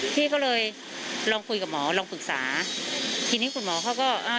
พี่ก็เลยลองคุยกับหมอลองปรึกษาทีนี้คุณหมอเขาก็อ่า